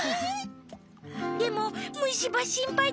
でもむしばしんぱいだね？